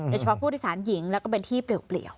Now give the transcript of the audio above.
เฉพาะผู้โดยสารหญิงแล้วก็เป็นที่เปลี่ยว